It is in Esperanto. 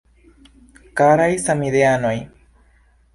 Karaj samideanoj!